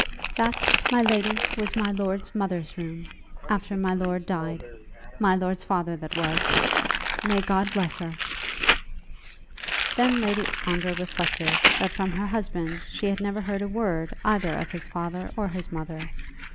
"That, my lady, was my lord's mother's room, after my lord died, my lord's father that was; may God bless her." Then Lady Ongar reflected that from her husband she had never heard a word either of his father or his mother.